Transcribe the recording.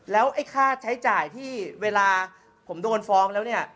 แล้วไอ้ค่าใช้จ่ายที่เวลาผมโดนฟ้องแล้วเนี่ย